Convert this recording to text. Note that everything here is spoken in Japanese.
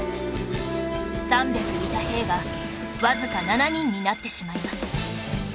３００いた兵がわずか７人になってしまいます